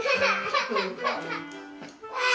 あ！